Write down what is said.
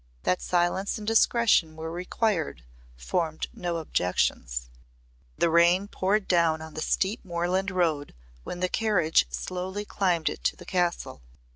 That silence and discretion were required formed no objections. The rain poured down on the steep moorland road when the carriage slowly climbed it to the castle.